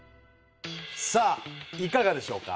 さあいかがでしょうか。